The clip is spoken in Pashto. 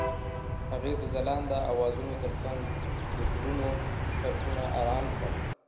هغې د ځلانده اوازونو ترڅنګ د زړونو ټپونه آرام کړل.